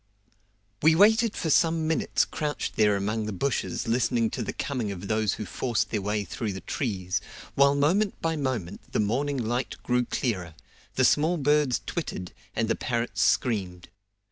We waited for some minutes crouched there among the bushes listening to the coming of those who forced their way through the trees, while moment by moment the morning light grew clearer, the small birds twittered, and the parrots screamed.